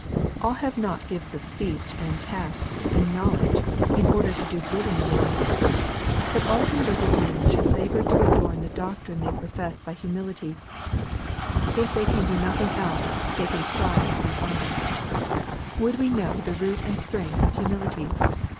All have not gifts of speech, and tact, and knowledge, in order to do good in the world. But all converted men should labor to adorn the doctrine they profess by hn LUKE, CHAP. XIV. 163 niility. If they can do nothing else, they can strive to be humble. Would we know the root and spring of humility